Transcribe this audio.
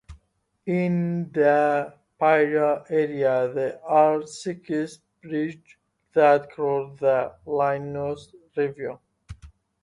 In the Peoria area, there are six bridges that cross the Illinois River.